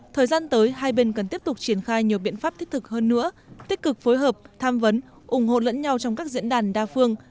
thời gian tới hai bên cần tiếp tục triển khai nhiều biện pháp thiết thực hơn nữa tích cực phối hợp tham vấn ủng hộ lẫn nhau trong các diễn đàn đa phương